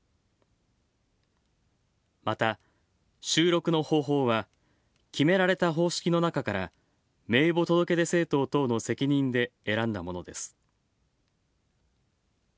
また、収録の方法は決められた方式の中から名簿届出政党等の責任で選んだものです。